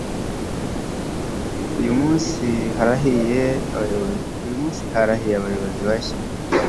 uyumunsi harahiye abayobozi bashya